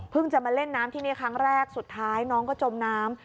จะมาเล่นน้ำที่นี่ครั้งแรกสุดท้ายน้องก็จมน้ำ